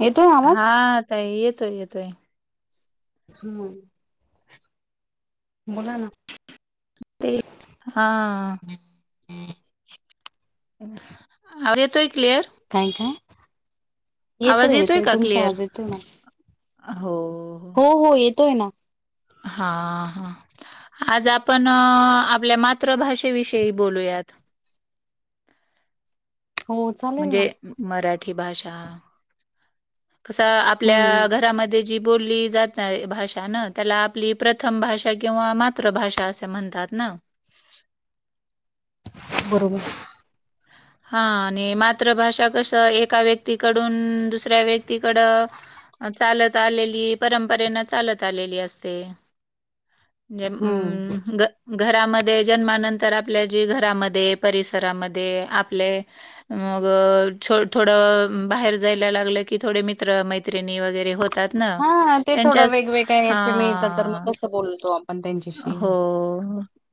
येतोय आवाज हा ताई येतोय-येतोय. हम्म, बोला ना? [inaudible] ते हा. अरे येतोय क्लिअर. काय-काय? आवाज येतोय- येतोय तुमचा आवाज येतोय ना. आहो हो-हो येतोय ना. हा-हां. आज आपण, आपल्या मात्र भाषे विषयी बोलूयात. हो चालेल म्हणजे ना मराठी भाषा कसं आपल्या हम्म घरामध्ये जी बोलली जात आहे भाषा नं त्याला आपली प्रथम भाषा किंवा मात्र भाषा असे म्हणतात नं. बरोबर. हा आणि मात्र भाषा कसं एका व्यक्तीकडून दुसऱ्या व्यक्तीकडं चालत आलेली परंपरेन चालत आलेली असते. [inaudible] ने हम्म अं ग घरामध्ये जन्मानंतर आपल्या जी घरामध्ये परिसरामध्ये आपले मग छो थोडं बाहेर जायला लागलं, की थोड मित्र-मैत्रिणी वगैरे हो तात ना हा ते थोडं त्यांच्याच वेगवेगळ्या याचे मिळतात तर मग तसं बोलतो आपण त्यांच्याशी हा-हो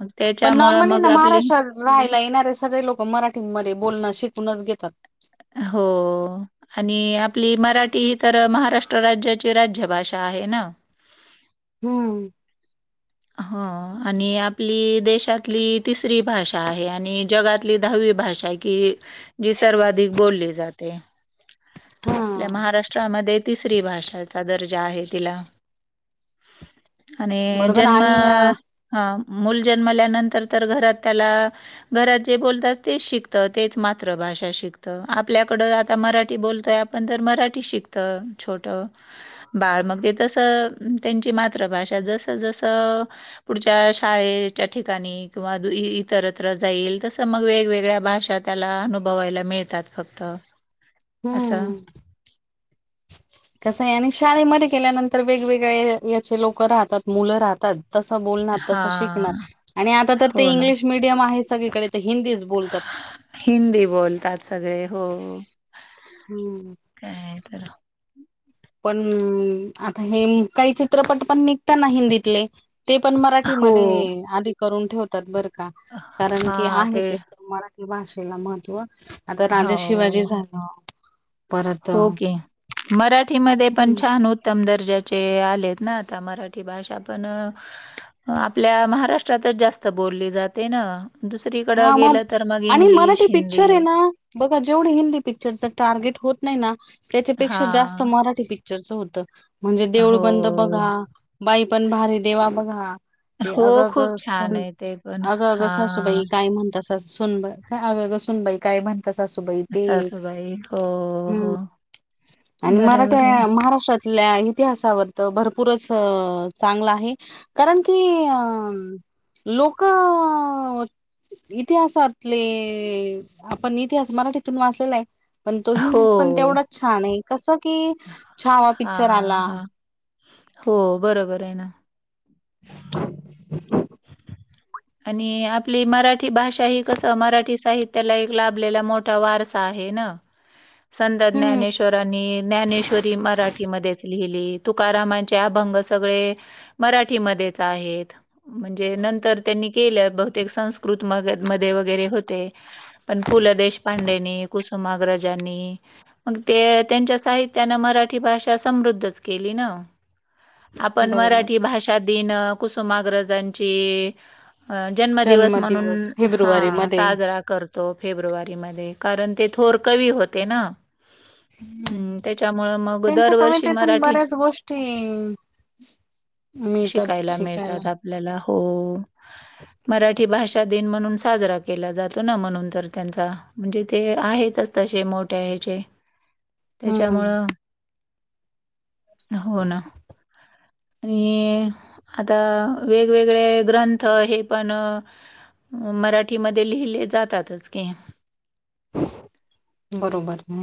मग पण त्याच्यामुळं नॉर्मली मग ना आपली महाराष्ट्रात राहायला येणारे सगळे लोकं मराठीमध्ये बोलणं शिकूनच घेतात. हो. आणि आपली मराठी ही तर महाराष्ट्र राज्याची, राज्यभाषा आहे ना. हम्म. हो आणि आपली देशातली तिसरी भाषा आहे. आणि जगातली दहावी भाषा आहे. की जी सर्वाधिक बोलली जाते. हा आपल्या महाराष्ट्रामध्ये तिसरी भाषाचा दर्जा आहे तिला. आणि बरोबर जन्म आणि हा मूल जन्मल्यानंतर तर घरात त्याला घरात जे बोलतात तेच शिकत, तेच मातृभाषा शिकत, आपल्याकडं आता मराठी बोलतोय आपण पण तर मराठी शिकत छोट बाळ मग ते तसं त्यांची मातृभाषा. जस, जस पुढच्या शाळेच्या ठिकाणी किंवा इतरत्र जाईल, तस मग वेगवेगळ्या भाषात त्याला अनुभवायला मिळतात फक्त. असं हम्म, कसा आहे आणि शाळेमध्ये गेल्यानंतर वेगवेगळे एज चे लोक राहतात, मुलं राहतात तस बोलणार हा तस शिकणार, आणि आता तर ते हो ना इंग्लिश मिडियम आहे सगळीकडे ते हिंदीच बोलतं. हिंदीच बोलतात, सगळे हो. हं हं काय तर पण आता हे, काही चित्रपट पण निघता ना हिंदीतले. ते पण हो. मराठीमध्ये आधी करून ठेवतात. बरं का, कारण की आहे ते मराठी भाषेला महत्त्व, आता राजा शिवाजी हो, झालं परत मराठी मध्ये पण हम्म छान होते. उत्तम दर्जाचे आलेत ना, आता मराठी भाषा पण आपल्या महाराष्ट्रातच जास्त बोलली जाते ना दुसरीकडं गेलं तर मग आणि मराठी इंग्लिश, हिंदी. पिक्चर आहे ना बघा जेवढे हिंदी पिक्चरचं टार्गेट होत नाही ना, त्याच्यापेक्षा जास्त हां. मराठी पिक्चर. जास्त होत. म्हणजे देऊळ हो, बंद बघा, बाई पण भारी देवा बघा ते अग हो, अग खूप छान सुन, आहे ते पण. अग अग हां, सासुबाई काय म्हणत्यात सुनबाई, अग अग सूनबाई सासुबाई ते एक. सासूबाई. हो, हं हो. आणि मराठी बरोबर आहे. महाराष्ट्रात आपल्या इतिहासावर तर भरपूरच चांगलं आहे. कारण की अ लोक इतिहासातले आपण इतिहास मराठीतून वाचलेला आहे. पण तो हिंदीत पण हो. तेवढाच छान आहे. कसं की छावा पिक्चर हां, आला हां. हो बरोबर आहे. [inaudible] आणि आपली मराठी भाषा, ही कसं मराठी साहित्य ला एक लाभलेला मोठा वारसा आहे ना संत् हम्म ज्ञानेश्ववरांनी, ज्ञानेश्वरी मराठीध्येच लिहिली. तुकारामांचे अभंग सगळे मराठीमध्येच आहेत. म्हणजे नंतर त्यांनी केलं बहुतेक संस्कृत मध्ये वगैरे होते. पण पु. ल. देेशपांडेनी कुसुमाग्रजांनी मग ते त्यांच्या साहित्यानं, मराठी भाषा समृद्धच केली ना आपण बरोबर मराठी भाषा दिन कुसुमाग्रजांची जन्मदिवस म्हणून हा फेब्रुवारी मध्ये साजरा करतो. तो फेब्रुवारी मध्ये कारण ते थोर कवी होते न. हम्म, त्यांच्या दरवर्षी कवितेतून मराठी बऱ्याच गोष्टी मी तर शिकायला आपल्याला हो. मराठी भाषा दिन म्हणून साजरा केला जातो न म्हणून तर त्यांचा. म्हणजे ते आहेतच तसे मोठ्या ह्याचे. [inaudible] त्याच्यामुळं हो न, आणि, आता वेगवेगळे ग्रंथ हे पण अ मराठीमध्ये लिहिले जातातच की. बरोबर हम्म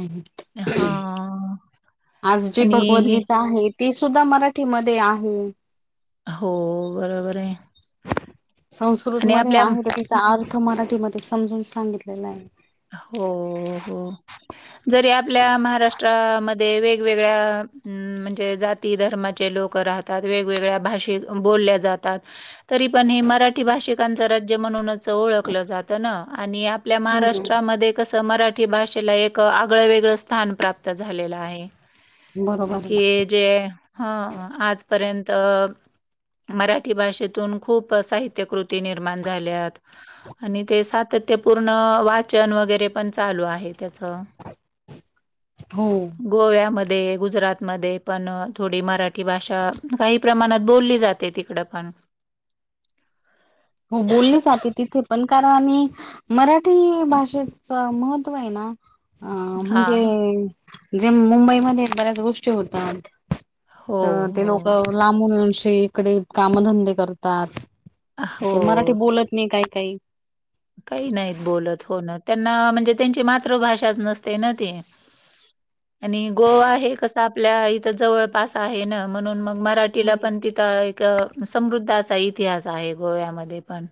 हा हम्म. आज जी आणि हे भगवद्गीता आहे. ती सुद्धा मराठीमध्ये आहे. हो बरोबर आहे आणि संस्कृतमध्ये आपल्या आहे तरी चा अर्थ मराठीमध्ये समजून सांगितलेला आहे‌. हो हो. जरी आपल्या महाराष्ट्रामध्ये वेगवेगळ्या, अम म्हणजे जा ती धर्माचे लोकं राहतात वेगवेगळ्या भाषेत बोलल्या जातात. तरी पण हे मराठी भाषिकांच राज्य म्हणूनच ओळखलं जात ना आणि आ आपल्या हम्म महाराष्ट्रामध्ये कसं मराठी भाषेला एक आगळं वेगळं स्थान प्राप्त झालेलं आहे. बरोबर आहे कि जे, ह आजपर्यंत मराठी भाषेतून खूप साहित्यकृती निर्माण झाल्यात. आणि ते सातत्यपूर्ण वाचन वगैरे पण चालू आहे त्याच. हो. गोव्यामध्ये गुजरातमध्ये पण थोडी मराठी भाषा काही प्रमाणात बोलली जा ते तिकडं पण. हो बोलली जाते तिथे पण कारण आम्ही मराठी भाषेच, महत्त्व आहे ना आ म्हणजे, हां. जे मुंबईमध्ये बऱ्याच गोष्टी होतात. हो, त ते हो. लोक लांबून येऊनशे इकडे कामधंदे करतात. ते हो. मराठी बोलत नाही काय काय? काही नाहीत बोलत हो ना त्यांना म्हणजे त्यांची मातृभाषाच नसते ना ते. आणि गोवा हे कसं आपल्या इथं जवळपास आहे ना म्हणून मग मरा मराठीला हम्म पण तिथं एक समृद्ध असा इतिहास आहे गोव्यामध्ये पण.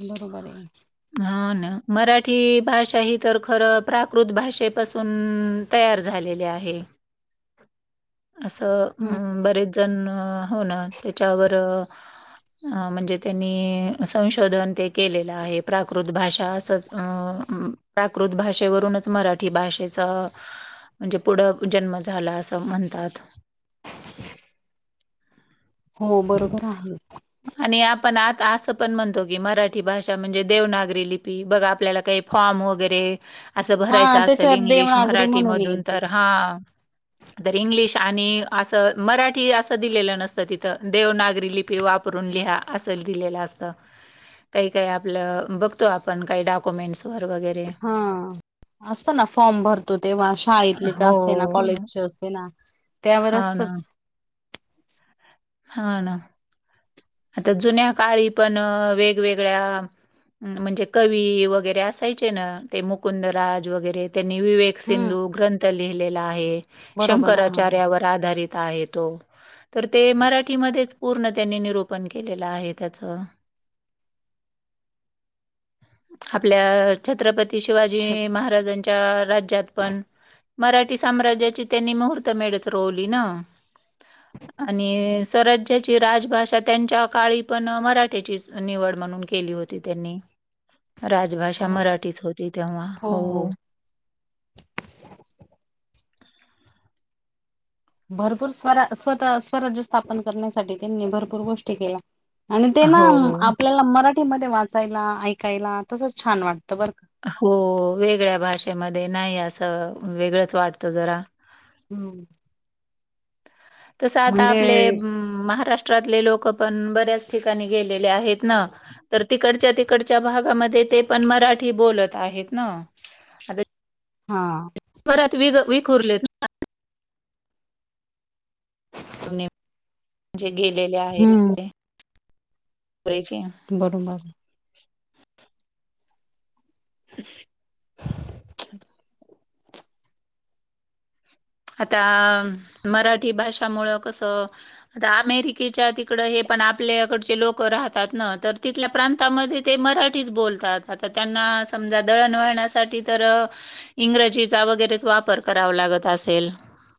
बरोबर ये. हा ना मराठी भाषा ही तर खरं प्राकृत भाषेपासून तयार झालेले आहे. असं हम्म अम बरेच जण हो न त्याच्यावर [inaudible] अ म्हणजे त्यांनी संशोधन ते केलेलं आहे प्राकृत भाषा असच आ प्राकृत भाषेवरूनच मराठी भाषेच म्हणजे पुढं जन्म झाला असं म्हणतात. हो बरोबर आहे. आणि आपण आता असं पण म्हणतो की मराठी भाषा म्हणजे देवनागरी लिपी बघ आपल्याला काई फॉर्म वगैरे असं भरायच हा असेल त्याच्यात इंग्लिश देवनागरी म्हणून मराठीमधून येते तर हा तर इंग्लिश आणि असं मराठी असं दिलेलं नसतं तिथं देवनागरी लिपी वाप परून लिहा असं दिलेलं असतं. काई काई आपलं बघतो आपण काई डॉक्युमेंट्स वर वगै हा असत ना फॉर्म भरतो अ, तेव्हा अ शाळेतले का हो. असे ना कॉलेजचे असे ना त्यावर हां असतच हा ना, आता जुन्या काळी पण वेगवेगळ्या म्हणजे कवी वगैरे असायचे न ते मुकुंदराज वगैरे त्यांनी विवेक हम्म सिंधू ग्रंथ लिहिलेला आहे. बरोबर हा शंकराचार्यावर आधारित आहे तो, तर ते मराठीमध्येच पूर्ण त्यांनी निरूपण केलेलं आहे त्याच आपल्या छत्रपती छ शिवाजी महाराजां च्या राज्यात पण मराठी साम्राज्याची त्यांनी मुहूर्त मेळच रोवली न [inaudible] आणि स्वराज्याची राजभाषा त्यांच्या काळी पण मराठीची निवड म्हणून केली होती. त्यांनी, राजभाषा बरोबर मराठीच होती. तेव्हा हो भरपूर स्वरा स्वतः स्वराज्य स्थापन करण्यासाठी त्यांनी भरपूर गोष्टी केल्या. आणि ते ना हो. आपल्याला मराठीमध्ये वाचायला, ऐकायला तसंच छान वाटतं बरं का हो वेगळ्या भाषेमध्ये नाय असं वेगळंच वाटतं जरा हम्म तसं आता म्हणजे आपले महाराष्ट्र ष्ट्रातले लोक पण बऱ्याच ठिकाणी गेलेले आहेत न तर तिकडच्या तिकडच्या भागामध्ये ते पण मराठी बोलत आहेत न. हा परत विग विखूरलेत [inaudible] जे गेलेले हम्म आहेत ते [unintelligible] बरोबरनं [inaudible] आता मराठी भाषामुळं कसं आता अमेरिकेच्या तिकड हे पण आपल्याकडचे लोक राहतात न तर तिथल्या प्रांतामध्ये ते मराठीच बोलतात. आता त्यांना समजा दळणवळणासाठी तर इंग्रजीचा वगैरेच वापर करावा लागत अस सेल,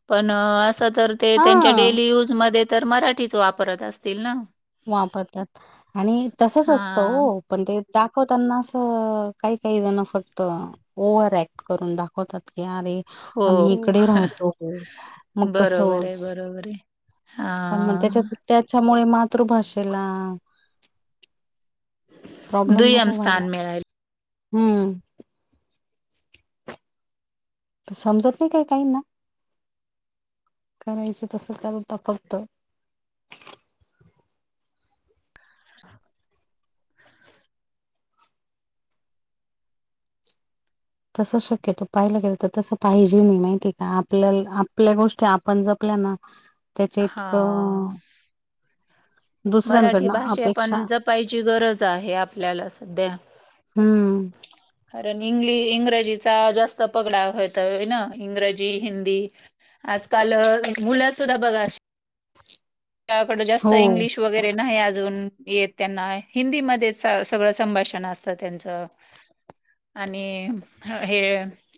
पण अस तर ते त्यांच्या हा डेली युज मध्ये तर मराठीच वापरत असतील ना वापरतात. आणि तसच असतं हा ओ पण ते दाखवताना असं काही काही जण फक्त ओव्हर ऍक्ट करून दाखवतात. की अरे हो आम्ही इकडे राहतो. मग बरोबर आहे तसच बरोबर आहे हा पण मग त्याच्या त्याच्यामुळे मातृभाषेला प्रॉब्लेम दुय्यम नको व्हायला. स्थान मिळाल हम्म समजत नाय काय काही ना करायचं तसं करत फक्त [inaudible] तसं शक्यतो पाहायला गेलो तर तसं पाहिजेलं माहितीये का आपल्याला आपल्या गोष्टी आपण जपल्या ना त्याच्या हा इतकं मराठी दुसऱ्यांकडनं भाषा पण अपेक्षा जपायची गरज आहे, आपल्याला सध्या. हम. कारण इंग्ल इंग्रजीचा जास्त पगडा होतोय ना, इंग्रजी, हिंदी आजकाल मुलं सुद्धा बघा, [inaudible] कड जास्त हो इंग्लिश वगैरे नाही अजून येत त्यांना. हिंदीमध्ये सगळं संभाषण असतं त्यांचं. [inaudible] आणि हे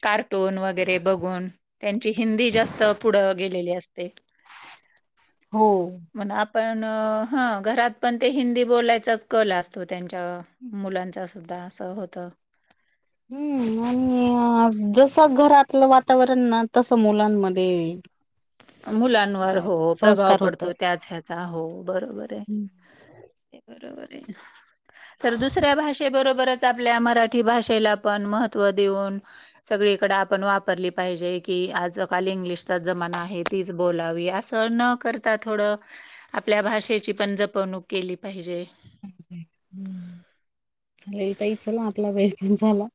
कार्क टोन वगैरे बघून, त्यांची हिंदी जास्त पुढं गेलेली असते. [inaudible] हो पण आपण, हं घरात पण ते हिंदी बोलायचाच कलं असतो त्यांच्यावर. मुलांचा सुद्धा असं होत. हम्म. म्हणून ना हं जस घरातलं वातावरण ना, तसं मुलांमध्ये मुलांवर हो, प्रभाव संस्कार होतात. पडतो. त्याच ह्याचा हो बरोबर आहे. हम्म [inaudible] बरोबर आहे. तर दुसऱ्या भाषे बरोबरच आपल्या मराठी भाषेला पण महत्त्व देऊन सगळीकडे आपण वापरली पाहिजे की, आज काल इंग्लिशचा जमाना आहे हे तीच बोलावी असं न करता, थोडं आपल्या भाषेची पण जपवणूक केली पाहिजे. हम्म, [inaudible] चालेल ताइ, चला आपला वेळ पण झाला.